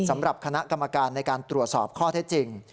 สำหรับคณะกรรมการในการตรวจสอบข้อเท็จจริง